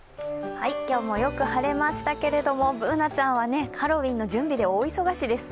今日もよく晴れましたけれどもＢｏｏｎａちゃんはハロウィーンの準備で大忙しです。